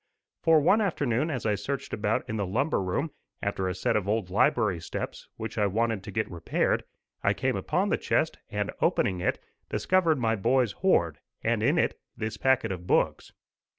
For one afternoon as I searched about in the lumber room after a set of old library steps, which I wanted to get repaired, I came upon the chest, and opening it, discovered my boys' hoard, and in it this packet of books.